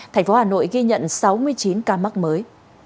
tp hcm ghi nhận sáu mươi chín ca mắc mới